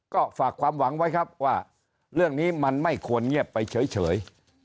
ก็ฝากความหวังไว้ครับว่าเรื่องนี้มันไม่ควรเงียบไปเฉย